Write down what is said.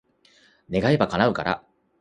願えば、叶うから。